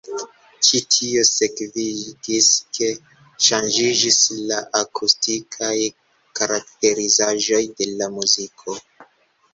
Ĉi tio sekvigis, ke ŝanĝiĝis la akustikaj karakterizaĵoj de la muziko.